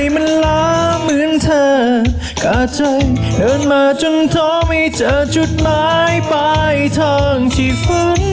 เพื่อจุดหมายปลายทางที่ฝ้น